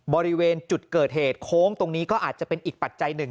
บริเวณจุดเกิดเหตุโค้งตรงนี้ก็อาจจะเป็นอีกปัจจัยหนึ่ง